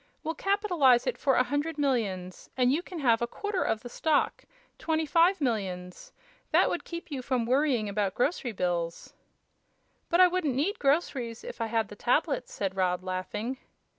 We'll capitalize it for a hundred millions, and you can have a quarter of the stock twenty five millions. That would keep you from worrying about grocery bills." "But I wouldn't need groceries if I had the tablets," said Rob, laughing.